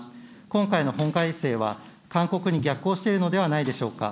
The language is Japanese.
今回の法改正は、勧告に逆行しているのではないでしょうか。